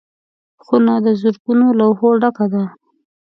خونه د زرګونو لوحو ډکه ده.